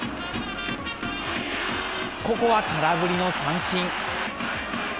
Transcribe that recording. ここは空振りの三振。